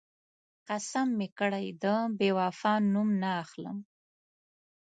قسم مې کړی، د بېوفا نوم نه اخلم.